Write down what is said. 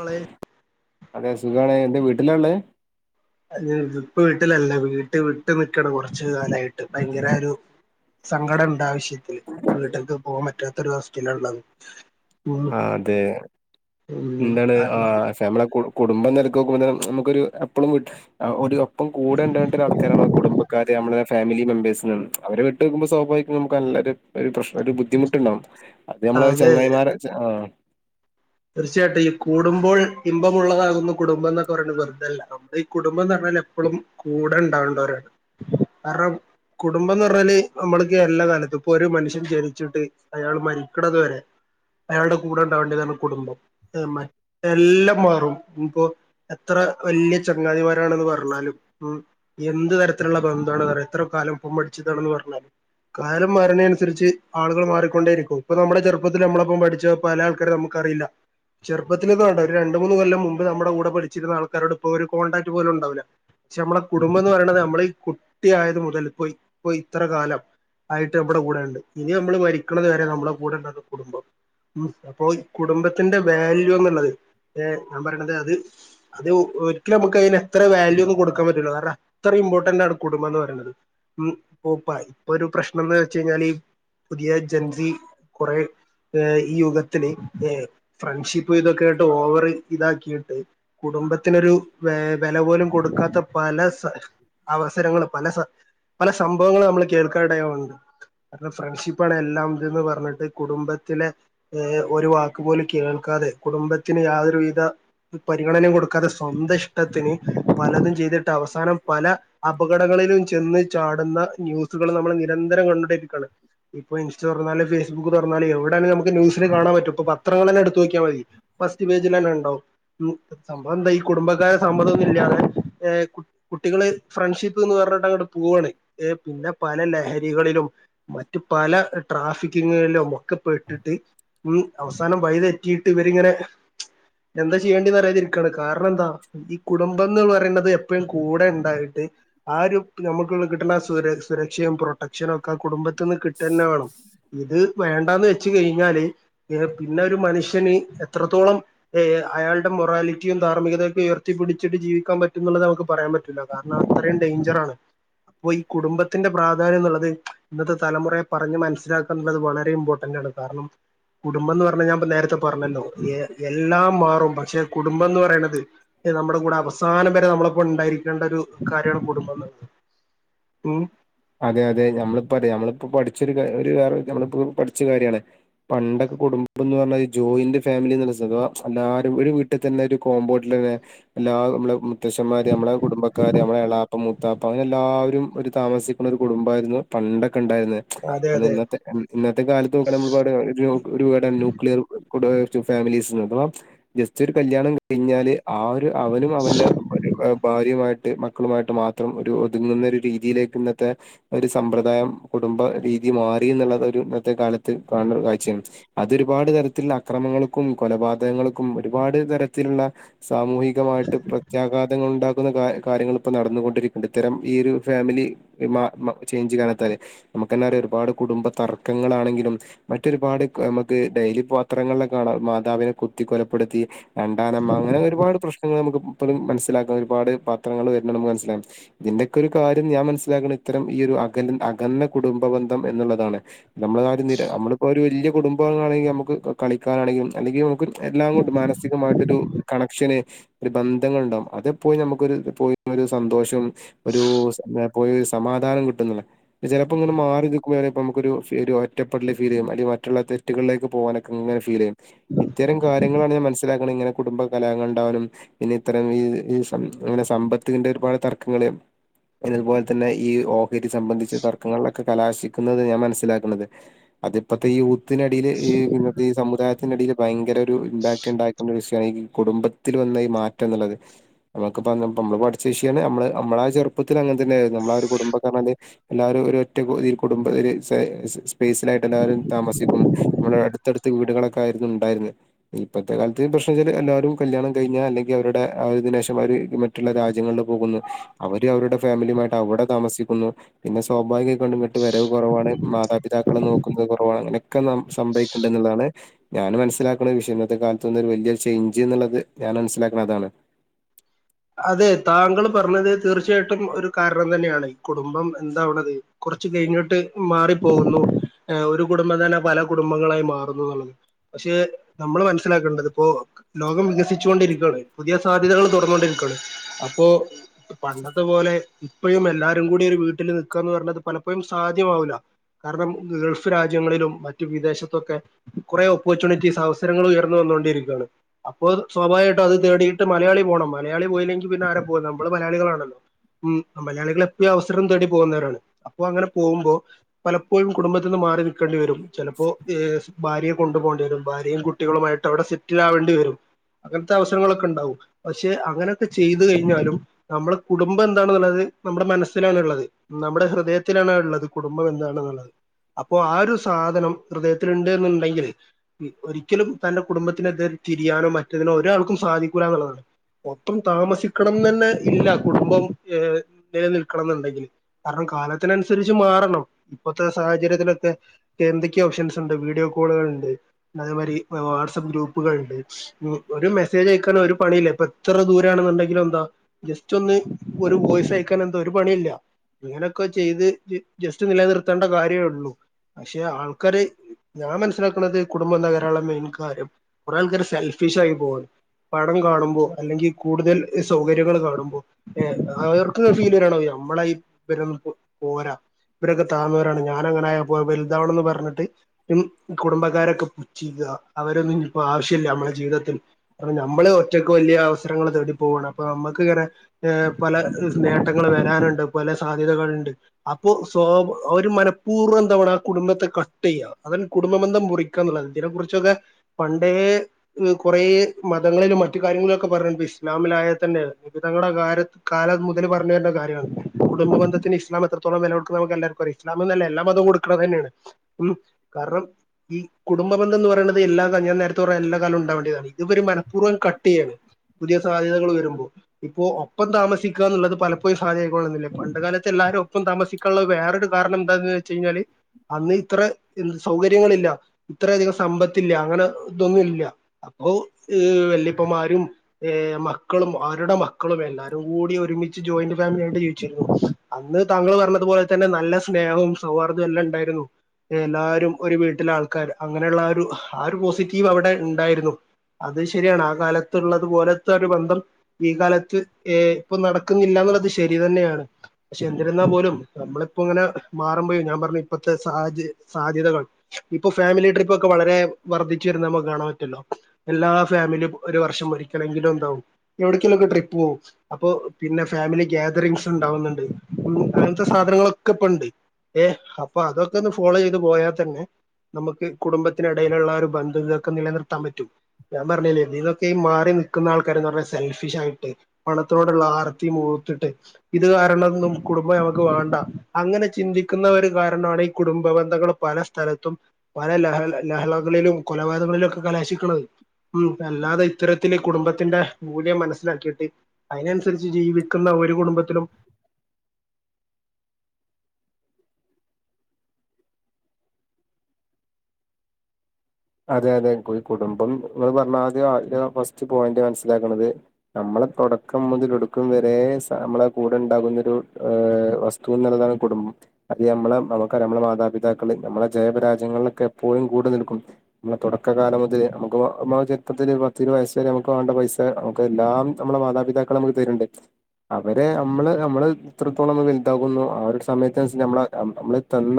ങ്ങള് അതെ സുഖാണേ എന്താ വീട്ടിലാ ഉള്ളേ അ ഇപ്പ വീട്ടിലല്ലേ വീട്ട് വിട്ട് നിക്കണ കൊറച്ചു കാലായിട്ട് ഭയങ്കര ഒരു സങ്കടം ഉണ്ട ആവശ്യത്തില് വീട്ടിലേക്ക് പോകാൻ പറ്റാത്ത ഒരു അവസ്ഥയില ഉള്ളത് ആ അതെ ഉം എന്താണ് ആ കാരണം ഫാമിലെ കുടുംബം നിലക്കക്നോക്കുമ്പോ നമക്കൊരു എപ്പോളും ഒരു ഒപ്പം കൂടെണ്ടണ്ട ഒരു ആൾക്കാരാണ കുടുംബക്കാര് നമ്മെ ഫമിലി മെമ്പേഴ്സിനും അവരെ വിട്ട് നിക്കുമ്പോ സ്വാഭാവിക നമുക്ക് നല്ലൊരു ഒരു പ്രശ്ന ഒരു ബുധിമുട്ട് ണ്ടാവും അത് നമ്മളത് ചെങ്ങായിമാർ ആ തീർച്ചയായിട്ടും ഈ കൂടുമ്പോൾ ഇമ്പമുള്ളതാകുന്ന കുടുംബം എന്നൊക്കെ പറയണ വെറുതല്ല നമ്മുടെ ഈ കുടുംബം എന്ന് പറഞ്ഞ എപ്പോഴും കൂടെ ഉണ്ടാവേണ്ടവരാണ് കാരണം കുടുംബംന്ന് പറഞ്ഞാൽ നമ്മൾക്ക് എല്ലാ കാലത്തും ഇപ്പൊ ഒരു മനുഷ്യൻ ജനിച്ചിട്ട് അയാൾ മരിക്കണതു വരെ അയാളുടെ കൂടെ ഉണ്ടാവണ്ട കാരണം കുടുംബം മറ്റെല്ലാം മാറും ഇപ്പോ എത്ര വലിയ ചങ്ങാതിമാരാണ് എന്തു പറഞ്ഞാലും ഉം എന്ത് തരത്തിലുള്ള ബന്ധമാണെന്നാ എത്ര കാലം ഒപ്പം മടിച്ചതാണെന്ന് പറഞ്ഞാലും കാലം മാറണ അനുസരിച്ച് ആളുകൾ മാറിക്കൊണ്ടേ ഇരിക്കും ഇപ്പൊ നമ്മുടെ ചെറുത്തിൽ നമ്മളൊപ്പം പഠിച്ച പല ആൾക്കാരും നമ്മുക്ക് ക്കറിയില്ല ചെറുപ്പത്തിൽന്ന് വേണ്ട ഒരു രണ്ട് മൂന്ന് കൊല്ലം മുമ്പ് നമ്മുടെ കൂടെ പഠിച്ചിരുന്ന ആൾക്കാരോട് ഇപ്പൊ ഒരു കോൺടാക്ട് പോലും ഉണ്ടാവില്ല പക്ഷെ നമ്മളെ കുടുംബം എന്ന് പറയണ നമ്മൾ ഈ കുട്ടിയായത് മുതൽ പോയിപ്പോയി ഇത്ര കാലം ആയിട്ട് നമ്മടെ കൂടെണ്ട് ഇനി നമ്മള് മരിക്കണതു വരെ നമ്മുടെ കൂടെ കുടുംബം ഉം അപ്പോ കുടുംബത്തിന്റെ വാല്യൂ എന്നുള്ളത് ഏ ഞാൻ പറയണത് അത് അത് ഒരിക്കലും നമുക്ക് അതിന് അത്ര വാല്യൂ ഒന്നും കൊടുക്കാൻ പറ്റൂല്ല കാരണം അത്രയും ഇമ്പോർട്ടന്റ് ആണ് കുടുംബം എന്ന് പറയുന്നത് ഉം ഇപ്പൊ ഇപ്പൊ ഒരു പ്രശ്നംന്ന് വെച്ച് കഴിഞ്ഞാല് പുതിയ ജൻസി കുറെ ഏ ഈ യുഗത്തില് ഏ ഫ്രണ്ട്ഷിപ്പ് ഇതൊക്കെ ആയിട്ട് ഓവർ ഇതാക്കിയിട്ട് കുടുംബത്തിനൊരു വാ വാ വില പോലും കൊടുക്കാത്ത പല വ അവസരങ്ങള് പല സ പല സംഭവങ്ങും നമ്മൾ കേൾക്കാനിടയാവുന്നുണ്ട് ഫ്രണ്ട്ഷിപ്പ് ആണ് എല്ലാം ഇതെന്ന് പറഞ്ഞിട്ട് കുടുംബത്തിലെ ഒരു വ പോലും കേൾക്കാതെ കുടുംബത്തിന് യാതൊരു വിധ പരിഗണനം കൊടുക്കാതെ സ്വന്തം ഇഷ്ടത്തിന് പലതും ചെയ്തിട്ട് അവസാനം പല അപകടങ്ങളൾ ന്തേലും ചെന്ന് ചാടുന്ന ന്യൂസുകൾ നമ്മൾ നിരന്തരം കണ്ടോണ്ടിരിക്കയാണ് ഇപ്പോ ഇൻസ്റ്റ തുറന്നാലും ഫേസ്ബുക്ക് തുറന്നാല് എവിടെയാണേലും നമ്മുക്ക് ന്യൂസില് കാണാൻ പറ്റും എത്ര വേണേലും എടുത്തു നോക്കിയാ മതി ഫസ്റ്റ് പേജിൽ തന്നെ ഉണ്ടാവും സംഭവം എന്താ ഈ കുടുംബക്കാരെ സമ്മതൊന്നുമില്ലാതെ എ കുട്ടികൾ ഫ്രണ്ട്ഷിപ്പ്ന്ന് പറഞ്ഞിട്ട് അങ്ങോട്ട് പോവാണ് പിന്നെ പല ലഹരി രികളിലും മറ്റ് പല ട്രാഫിക്കിലും ഒക്കെ പെട്ടിട്ട് അവ സാനം വഴി തെറ്റിയിട്ട് ഇവരിങ്ങനെ എന്താ ചെയ്യേണ്ടിന്ന് അറിയാതിരിക്കുകയാണ് കാരണം എന്താ ഈ കുടുംബം എന്ന് പറയുന്നത് എപ്പോഴും കൂടെ ഉണ്ടായിട്ട് ആ ഒരു നമുക്ക് കിട്ടുന്ന സുരക്ഷയും പ്രൊട്ടക്ഷനും ഒക്കെ കുടുംബ ത്ത്ന്ന് കിട്ടന്ന വേണം ഇത് വേണ്ടാന്ന് വെച്ച് കഴിഞ്ഞാൽ പിന്നെ ഒരു മനുഷ്യന് എത്രത്തോളം അയാളുടെ മൊറാലിറ്റിയും ധാർമ്മികതയൊക്കെ ഉയർത്തി പിടിച്ചിട്ട് ജീവിക്കാൻ പറ്റും എന്നുള്ളത് നമ്മുക്ക് പറയാൻ പറ്റൂല്ല കാരണം അത്രയും ഡേഞ്ചർ ആണ് അപ്പൊ ഈ കുടുംബത്തിന്റെ പ്രാധാന്യം എന്നുള്ളത് ഇന്നത്തെ തലമുറയെ പറഞ്ഞ് മനസ്സിലാക്കാന്നുള്ളത് വളരെ ഇമ്പോർട്ടന്റ് അത് കാരണം കു കുടുംബന്ന് പറഞ്ഞ ഞാൻ ഇപ്പം നേരത്തെ പറഞ്ഞല്ലോ എ എല്ലാം മാറും പക്ഷെ കുടുംബംന്ന് പറയണനത് നമ്മുടെ കൂടെ അവസാനം വരെ നമ്മളിപ്പോ ഉണ്ടായിരിക്കേണ്ട ഒരു കാര്യമാണ് കുടുംബം എന്നുള്ളത് ഉം അതെ അതെ നമ്മളിപ്പ അ നമ്മളിപ്പോ പഠിച്ചൊരു ഒരു നമ്മളിപ്പ പഠിച്ച കാര്യമാണ് പണ്ട് കുടുംബം എന്ന് പറഞ്ഞാ ജോയിന്റ് ഫാമിലിന്ന് അഥവാ എല്ലരും ഒരു വീട്ടിൽ തന്നെ ഒരു കോമ്പൗണ്ടിൽ തന്നെ എല്ലാ നമ്മളെ മുത്തശ്ശന്മാര് നമ്മുടെ കുടുംബക്കാര് നമ്മെ എളാപ്പ മൂത്താപ്പ അങ്ങനെ എല്ലാവരും ഒരു താമസി ങ്ങനൊരു കുടുംബായിരുന്നു പണ്ട് ഒക്കെ ഉണ്ടായിരുന്നു അതെ അതെ ഇന്നത്തെ ഇന്നത്തെ കാലത്ത് നമ്മുക്ക് ഒരു ഒരു ന്യൂക്ലിയർ ഫാമിലീസ് അഥവാ ജസ്റ്റ് കല്യാണം കഴിഞ്ഞാൽ ആ ഒരു അവനും അവന്റെ ഒരു ഭാര്യയുമായിട്ട് മക്കളുമായിട്ട് മാത്രം ഒരു ഒതുങ്ങുന്ന ഒരു രീതിയിലേക്ക് ഇന്ന് ഇന്നത്തെ ഒരു സമ്പ്രദായം കുടുംബ രീതി മാറി എന്നുള്ളത് ഒരു ഇന്നത്തെ കാലത്ത് കാണുന്ന ഒരു കാഴ്ചയാണ് അതൊരു പാട് തരത്തിലുള്ള അക്രമങ്ങൾക്കും കൊലപാതകങ്ങൾക്കും ഒരുപാട് തരത്തിലുള്ള സാമൂഹികമായിട്ട് പ്രത്യാഘാതങ്ങൾ ഉണ്ടാക്ക ഇപ്പം കാര്യങ്ങൾ ഇപ്പൊ നടന്നുകൊണ്ടിരിക്കുന്നുണ്ട് ഇത്തരം ഈ ഒരു ഫാമിലി ഒരു മാ ചേഞ്ച് വേണത്യാല് നമ്മുക്കന്നെ അറിയാം ഒരുപാട് കുടുംബ തർക്കങ്ങളാണെങ്കിലും മറ്റൊരുപാട് നമുക്ക് ഡെയിലി പത്രങ്ങളിൽ കാണാം മാതാവിനെ കുത്തി കൊലപ്പെടുത്തി രണ്ടാനമ്മ അങ്ങനെ ഒരുപാട് പ്രശ്നങ്ങള് നമുക്ക് ഇപ്പളും മനസ്സിലാക്കാൻ ഒരുപാ പത്രങ്ങള് വരന്നുണ്ട് മനസ്സിലായി ഇതിന്റെക്കെ ഒരു കാര്യം ഞാൻ മന നിർത്തലാക്കണം ഇത്തരം ഈ ഒരു അക അകന്ന കുടുംബബന്ധം എന്നുള്ളതാണ് നമ്മള് ആരും നിര നമ്മളിപ്പോ ഒരു വലിയ കുടുംബാംഗം ആണെങ്കി നമുക്ക് ക കളിക്കാനാണെങ്കിലും അല്ലെങ്കി നമുക്ക് എല്ലാം കൊണ്ട് മാനസികമായിട്ടൊരു കണക്ഷന് ഒരു ബന്ധങ്ങൾ ഉണ്ടാവും അത് എപ്പോഴും നമുക്കൊരു പോയിന്നൊരു സന്തോഷം ഒരൂ പോയി ഒരു സമാധം കിട്ടൂന്നുള്ളെ ചിലപ്പോ ഇങ്ങനെ മാറി നിക്കുവാനെ ഇപ്പ നമുക്കൊരു ഫ് ഒരൊറ്റപ്പെടല് ഫീല് ചെയ്യും അടിവാ മറ്റുള്ള തെറ്റുകളിലേക്ക് പോവാനൊക്കെ ഇങ്ങനെ ഫീല് ചെയ്യും ഇത്തരം കാര്യം [unintelligible] മനസിലാക്കണം ഇങ്ങനെ കുടുംബകലഹങ്ങൾ ഉണ്ടാവാനും പിന്നെ ഇത്തരം ഈ ഈ സം ഇങ്ങനെ സമ്പത്തിന്റെ ഒരു പ തർക്കങ്ങള് അതുപോലെ തന്നെ ഈ ഓഹരി സംബന്ധിച്ച തർക്കങ്ങളിലെ ക്കെ കലാശിക്കുന്നത് ഞാൻ മനസ്സിലാക്കണത് അതിപ്പത്തെ ഈ ഊത്തിനടിയില് ഈ ഇന്നത്തെ ഏ സമുദായത് ത്തിനടിയില് ഭയങ്കര ഒരു ഇമ്പാക്ട് ഉണ്ടാക്കിയൊണ്ടൊരു വിഷയാണ് ഈ കുടുംബത്തിൽ വന്ന ഈ മാറ്റം എന്നുള്ളത് നമുക്ക് ഇപ്പന്താപ്പ നമ്മള് പഠിച്ചവിഷയാണ് അമ്മള് അമ്മളാ ചെറുപ്പത്തിൽ അങ്ങനെ തന്നെ ആ നമ്മള ഒരു കുടുംബക്കാരാന്നെ എല്ലാരും ഒരൊറ്റ ഈ കുടുംബ ഒരു സേ സ്പേസിനായിട്ട് എല്ലരും താമ സിപ്പം നമ്മുടെ അടുത്തടുത്ത് വീടുകളൊക്കെ ആയിരുന്നു ഉണ്ടായിരുന്നെ ഇപ്പഴത്തെ കാലത്ത് പ്രശ്നം വെച്ചാൽ എല്ലാരും കല്യാണം കഴിഞ്ഞ അല്ലെങ്കിൽ അവരുടെ ആ ഒരുദിനേശം മാരി മറ്റുള്ള രാജ്യങ്ങളിൽ പോകുന്നു അവര് അവരുടെ ഫാമിലിമായി ട്ടവിടെ താമസിക്കുന്നു പിന്നെ സ്വാഭാവികമായി ഇങ്ങട്ട് വരവ് കുറവാണ് മാതാപിതാക്കൾ നോക്കുന്നത് കുറവാണ് നൊക്കെ നാം സംഭവിക്കണ്ട എന്നുള്ളതാണ് ഞാൻ മനസ്സിലാക്കണ വിഷയം ഇന്നത്തെ കാലത്ത് നിന്ന് ഒരു വലിയൊരു ചേഞ്ച് എന്നുള്ളത് ഞാൻ മനസ്സിലാക്കണ അതാണ് അതെ താങ്കൾ പറഞ്ഞത് തീർച്ചയായിട്ടും ഒരു കാരണം തന്നെയാണ് ഈ കുടുംബം എന്താ ത് കൊ ച്ച് കഴിഞ്ഞോട്ട് മാറി പോകുന്നു ഏ ഒരു കുടുംബം തന്നെ പല കുടുംബങ്ങളായി മാറുന്നു എന്നുള്ളത് പക്ഷെ നമ്മള് മനസ്സിലാക്കേണ്ടത് ഇപ്പോ ലോകം വികസിച്ചുകൊണ്ടിരിക്കുവാണ് പുതിയ സാധ്യതകൾ തൊറന്നുകൊണ്ടിരി ക്കാണ് അപ്പോ പണ്ടത്തെ പോലെ എപ്പോഴും എല്ലാരും കൂടി ഒരു വീട്ടിൽ നിക്കുവാന്ന് പറഞ്ഞത് പലപ്പോഴും സാധ്യമാവൂല്ല കാരണം ഗൾഫ് രാജ്യങ്ങളിലും മറ്റ് വിദേശത്തൊക്കെ കുറേ ഓപ്പർച്യൂണിറ്റീസ് അവസരങ്ങൾ ഉയർന്നുവന്ന് ന്നോണ്ടിരിക്കുവാണ് അപ്പോ അത് സ്വാഭാവികവായിട്ട് അത് തേടിയിട്ട് മലയാളി പോണം മലയാളി പോയില്ലെങ്കി പിന്നാരാ പോക നമ്മള് മലയാളികളാണല്ലോ ഉം മലയാളികളെപ്പലും അവസരം തേടി പോകുന്നവരാണ് അപ്പൊ അങ്ങനെ പോകുമ്പോ പലപ്പോഴും കുടുംബത്തിൽ നിന്ന് മാ മാറിനിക്കേണ്ടി വരും ചിലപ്പോ ഏ ഭാര്യേ കൊണ്ടുപോകേണ്ടി വരും ഭാര്യയും കുട്ടികളുമായിട്ട് അവിടെ സെറ്റിൽ ആവവേണ്ടി വരും അങ്ങനത്തെ അവസരങ്ങളൊക്കെ ഉണ്ടാവും പശ് ക്ഷെ അങ്ങനൊക്കെ ചെയ്ത് കഴിഞ്ഞാലും നമ്മള് കുടുംബ എന്താണുള്ളത് നമ്മുടെ മനസ്സിലണുള്ളത് ന മ്മടെ ഹൃദയത്തിലാണ് ഉള്ളത് കുടുംബം എന്താണെന്നുള്ളത് അപ്പോ ആ ഒരു സാധനം ഹൃദയത്തിലുണ്ട് എന്നുണ്ടെങ്കിൽ ഒരിക്കലും തന്റെ കുടുംബത്തിനെതിരാ തിരിയാനോ മറ്റതിനോ ഒരാൾക്കും സാധിക്കൂല എന്നുള്ളതാണ് ഒപ്പം താമസിക്കണം തന്നെ ഇല്ല കുടുംബം ഏ ദേ നിലനിൽക്കണംന്നുണ്ടെങ്കിൽ കാരണം കാലത്തിനനുസരിച്ച് മാറണം ഇപ്പത്തെ സാഹചര്യത്തിലൊക്കെ ഏ എന്തൊക്കെ ഓപ്ഷൻസ് ഉണ്ട് വീഡിയോ കോളുകള് ഇണ്ട് അതേമാതിരി വാട്സമ്മ് പ്പ് ഗ്രൂപ്പുകൾ ഉണ്ട് ഒരു മെസ്സേജ് അയക്കാൻ ഒരു പണിയില്ല ഇപ്പ എത്ര ദൂര ആണെന്നുണ്ടെങ്കിലും എന്താ ജസ്റ്റ് ഒന്ന് ഒരു വോയിസ് അയക്കാൻ എന്താ ഒരു പണിയില്ല ഇങ്ങനൊക്കെ ചെയ്ത് ജസ്റ്റ് നിലനിർത്തേണ്ട കാര്യേ ഉള്ളൂ പക്ഷെ ആൾക്കാര് ഞാൻ മനസ്സിലാക്കണത് കുടുംബം തകരാനുള്ള മെയിൻ കാര്യം കുറെ ആൾക്കാര് സെൽഫ് ഫിഷായി പോവാണ് പടം കാണുമ്പോ അല്ലെങ്കി കൂടുതൽ സൗകര്യങ്ങൾ കാണുമ്പോ ഏ അവർക്ക് ഫീൽ വരണം നമ്മളെ ഈ പരം പൊ പോരാ ഇവരൊക്കെ താന്നവരാണ് ഞാൻ അങ്ങനെ വലുതാണെന്ന് പറഞ്ഞിട്ട് ഇമ് കുടുംബക്കാരൊക്കെ പുച്ചികാ ദാ അവരൊന്നും ഇനിപ്പോ ആവശ്യ ഇല്ല നമ്മളുടെ ജീവിതത്തിൽ കാരണം നമ്മള് ഒറ്റയ്ക്ക് വലിയ അവസരങ്ങൾ തേടി പോവാണ് അപ്പ നമുക്ക് ഇങ്ങനെ ഏ പല നേട്ടങ്ങൾ വരാനുണ്ട് പല സാധ്യതകൾ ഇണ്ട് അപ്പൊ സോ അവര് മനപൂർവ്വം എന്താവണ ആ കുടുംബത്തെ കട്ട് ചെയ്യ അവൻ കുടുംബബന്ധം പൊയ്ക്കാനുള്ളത് ഇതിനെ കുറിച്ചൊക്കെ പണ്ടേ കുറേ മതങ്ങളിലും മറ്റു കാര്യങ്ങളി ക്കെ പറഞ്ഞ് ഇപ്പ ഇസ്ലാമിലായ തന്നെ [unintelligible] കാരത് കാലം മുതൽ പറഞ്ഞ തന്നെ കാര്യാണ് കുടുംബബന്ധ ത്തിന് ഇസ്ലാം എത്രത്തോളം വില കൊടുക്കന്ന് നമുക്കെല്ലാവർക്കും ഇസ്‌ലാമെന്നല്ല എല്ലാ മതവും കൊടുക്കണ തന്നെയാണ് ഉം കാരണം ഈ കുടുംബന്ധംന്ന് പറയണത് എല്ലാ ക ഞാൻ നേരത്തെ പറഞ്ഞില്ലേ എല്ല കാലവും ഉണ്ടാവേണ്ടിയതാണ് ഇതവര് മനഃപൂർവം കട്ട് ചെയ്യയാണ് പുതിയ സാധ്യതകൾ വരുമ്പോ ഇപ്പോ ഒപ്പം താമസിക്കുക എന്നുള്ളത് പലപ്പോഴും സാഹചര്യക്കണമെന്നില്ല പണ്ട് കാലത്തെ എല്ലാവാരും ഒപ്പ താമസിക്കുള്ള വേറൊരു കാരണം എന്താന്ന് വെച്ച് കഴിഞ്ഞാല് അന്ന് ഇത്ര എ സൗകര്യങ്ങളില്ല ഇത്ര അധികം സമ്പത്തില്ല അങ്ങനെ ഇതൊന്നും ഇല്ല അപ്പൊ വല്ലയപ്പമാരും മക്കളും അവരുടെ മക്കളും എല്ലാരും കൂടി ഒരുമിച്ച് ജോയിന്റ് ഫാമിലി ആയിട്ട് ജീവിച്ചിരുന്നു അന്ന് അത് താങ്കൾ പറഞ്ഞതുപോലെ തന്നെ നല്ല സ്നേഹവും സൗഹാർദ്ദവും എല്ലാം ഉണ്ടായിരുന്നു എല്ലാരും ഒരു വീട്ടിലെ ആൾക്കാർ അങ്ങനെയുള്ള ഒരു ആ ഒരു പോസിറ്റീവ് അവിടെ ഉണ്ടായിരുന്നു അത് ശരിയാണ് ആ കാലത്തുള്ള അതുപോലത്തെ ഒരു ബന്ധം ഈ കാലത്ത് ഏ ഇപ്പൊ നടക്കുന്നില്ല എന്നുള്ളത് ശരി തന്നെയാണ് പക്ഷെ എന്നന്ിരുന്നാ പോലും നമ്മളിപ്പോ ഇങ്ങനെ മാറൻ പോയി ഞാൻ പറഞ്ഞു ഇപ്പഴത്തെ സാ്യ സാധ്യതകൾ ഇപ്പൊ ഫാമിലി ട്രിപ്പ് ഒക്കെ വളരെ വർദ്ധിച്ചു വരുന്ന നമുക്ക് കാണാൻ പറ്റല്ലോ എല്ലാ ഫാമിലി ഒരു വർഷം ങ്കിലും ഉണ്ടാവും എവിടക്കലുംക്കെ ട്രിപ്പ് പോകും അപ്പൊ പിന്നെ ഫാമിലി ഗാതറിങ്സ് ഉണ്ടാവുന്നുണ്ട് ഉ അങ്ങനത്തെ സാധനങ്ങളൊക്കെ ഇപ്പ ഉണ്ട് ഏ അപ്പൊ അതൊക്കെ ഒന്ന് ഫോളോ ചെയ്ത് പോയാൽ തന്നെ നമുക്ക് കുടുംബത്തിന് ഇടയിലുള്ള ഒരു ബന്ധു ഇതൊക്കെ നിലനിർത്താൻ പറ്റും ഞാൻ പറഞ്ഞ ഇതൊക്കെ ഈ മാറി നി നിക്കുന്ന ആൾക്കാരന്ന് പറ സെൽഫിഷ് ആയിട്ട് പണത്തിനോടുള്ള ആർത്തി മൂർത്തിട്ട് ഇത് കാരണന്നും കുടുംബം നഞമുക്ക് വേണ്ട അങ്ങനെ ചിന്തിക്കുന്ന ഒരു കാരണമാണ് ഈ കുടുംബ ബന്ധങ്ങൾ പല സ്ഥലത്തും പല ലഹ ലഹളകളിലും കൊലപാതകങ്ങളിലും ഒക്കെ കലാശിക്കണത് ഉ അല്ലാതെ ഇത്തരത്തി കുടുംബത്തിന്റെ മൂല്യം മനസ്സിലാക്കിയിട്ട് അതിനനുസരിച്ച് ജീവിക്കുന്ന ഒരു കുടുംബത്തിലും [unintelligible] അതെ അതെ കുടുംബം പറഞ്ഞ ആദ്യം ഫസ്റ്റ് പോയിന്റ് മനസ്സിലാക്കണുന്നത് നമ്മ നമ്മളെ തുടക്കം മുതലൊടുക്കും വരെ നമ്മളെ കൂടെ ഉണ്ടാകുന്നൊ ഒരു് വസ്തു എന്നുള്ളതാണ് കുബ അത് നമ്മളെ നമുക്ക നമ്മളുടെ മാതാപിതാക്കൾ നമ്മളെ ജയപരാജ്യങ്ങളിലൊക്കെ എപ്പോഴും കൂടു നിൽക്കും നമ്മുടെ തുടക്ക കാലം മുതൽ നമക്ക് ചിത്തില്ൽ പത്ത്രുപ വയസ് വരെ നമുക്ക് വേണ്ട പൈസ നമു എല്ലാം ന മാതാപിതാക്കൾ നമുക്ക് തരുണ്ട് അവരെ നമ്മള് നമ്മള് ഇത്രത്തോളം വലുതാകുന്നു ആ ഒരു സമയത്തിനുസരി നമ്മ നമ്മ തന്ന